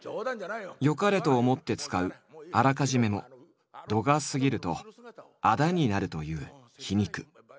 よかれと思って使う「あらかじめ」も度が過ぎるとあだになるという皮肉。